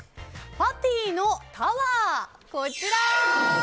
パティのタワーのこちら！